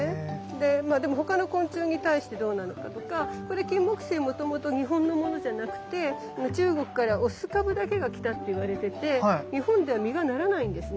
でまあでも他の昆虫に対してどうなのかとかこれキンモクセイもともと日本のものじゃなくて中国から雄株だけが来たっていわれてて日本では実がならないんですね。